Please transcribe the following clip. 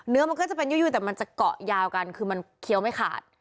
มันก็จะเป็นยุ้ยแต่มันจะเกาะยาวกันคือมันเคี้ยวไม่ขาด